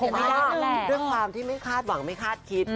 เบ็ดไขความที่ไม่คาดหวังไม่คาดคิด